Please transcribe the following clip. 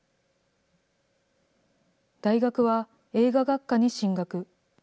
大学は映画学科に進学。